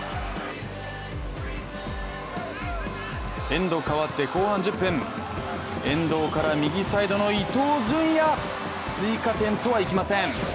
エンド変わって後半１０分、遠藤から右サイドの伊東純也、追加点とはいきません。